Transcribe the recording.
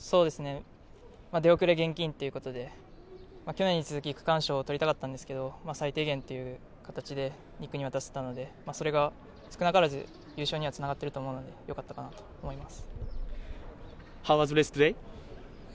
出遅れ厳禁ということで、去年に続き区間賞を取りたかったんですけど最低限という形で２区に渡せたので、それが少なからず優勝にはつながってると思うのでよかったかなと思います。